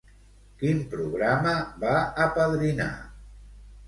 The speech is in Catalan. Quin programa va apadrinar?